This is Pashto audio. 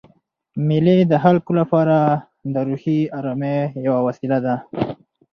مېلې د خلکو له پاره د روحي آرامۍ یوه وسیله ده.